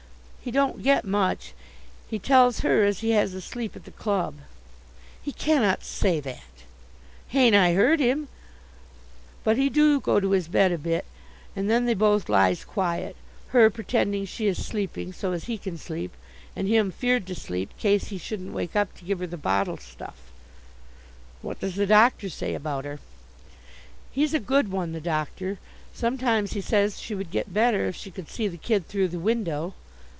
"He don't get much. He tells her as he has a sleep at the club." "He cannot say that." "Hain't I heard him? But he do go to his bed a bit, and then they both lies quiet, her pretending she is sleeping so as he can sleep, and him feared to sleep case he shouldn't wake up to give her the bottle stuff." "What does the doctor say about her?" "He's a good one, the doctor. Sometimes he says she would get better if she could see the kid through the window."